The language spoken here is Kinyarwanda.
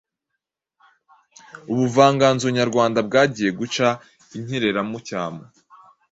Ubuvanganzo Nyarwanda bwagiye guca inkereramucyamo,